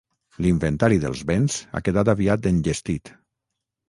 L'inventari dels béns ha quedat aviat enllestit.